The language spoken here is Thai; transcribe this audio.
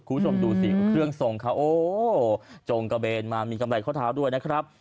คุณผู้ชมดูสิเครื่องทรงเขาโอ้จงกระเบนมามีกำไรข้อเท้าด้วยนะครับ